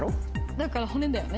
だから骨だよ。ね！